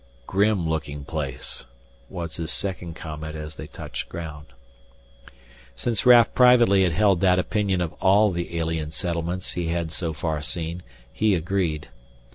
"Grim looking place," was his second comment as they touched ground. Since Raf privately had held that opinion of all the alien settlements he had so far seen, he agreed.